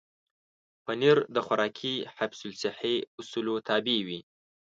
پنېر د خوراکي حفظ الصحې اصولو تابع وي.